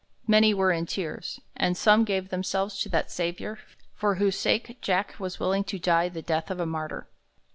Many were in tears, and some gave themselves to that Saviour for whose sake Jack was willing to die the death of a martyr.